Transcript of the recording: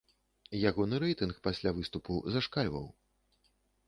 Ягоны рэйтынг пасля выступу зашкальваў.